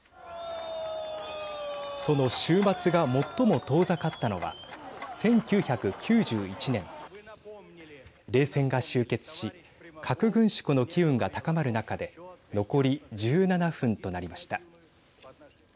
その終末が最も遠ざかったのは１９９１年冷戦が終結し核軍縮の機運が高まる中で残り１７分となりました。